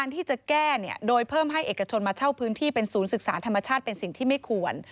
ที่จะแก้โดยเพิ่มให้เอกชนมาเช่าพื้นที่เป็นศูนย์ศึกษาธรรมชาติเป็นสิ่งที่ไม่ควร